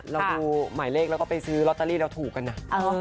เราดูหมายเลขแล้วก็ไปซื้อลอตเตอรี่เราถูกกันนะ